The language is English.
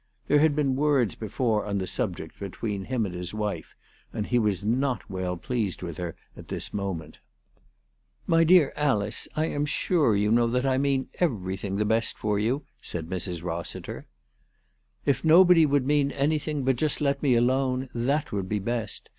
There had been words before on the subject between him and his wife, and he was not well pleased with her at this moment. 332 ALICE DUGDALE. " My dear Alice, I am sure you know that I mean everything the best for you/' said Mrs. Rossiter. " If nobody would mean anything, but just let me alone, that would be best.